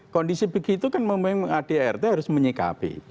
kondisi begitu kan memang adrt harus menyikapi